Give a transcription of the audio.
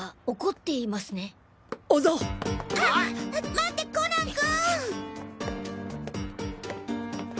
待ってコナン君！